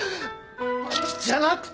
じゃなくて！